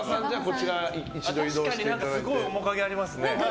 確かにすごい面影がありますね。